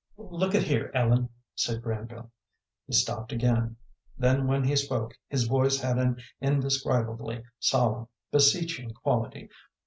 "Look at here, Ellen," said Granville. He stopped again; then when he spoke his voice had an indescribably solemn, beseeching quality.